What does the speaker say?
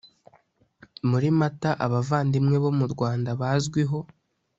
muri Mata Abavandimwe bo mu Rwanda bazwiho